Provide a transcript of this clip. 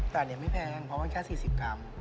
แต่อันนี้ไม่แพงเพราะมันแค่๔๐กรัม